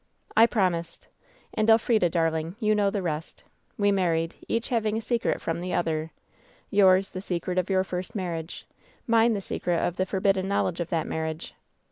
"I promised. And, Elfrida, darling, you know the rest. We married, each having a secret from the other — ^yours the secret of your first marriage, mine the secret 264 WHEN SHADOWS DIE of the forbidden knowledge of that marriage.